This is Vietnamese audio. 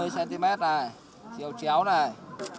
ba mươi cm này chiều chéo này